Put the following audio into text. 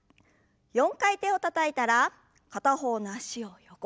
４回手をたたいたら片方の脚を横に。